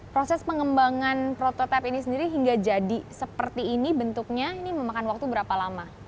proses pengembangan prototipe ini sendiri hingga jadi seperti ini bentuknya ini memakan waktu berapa lama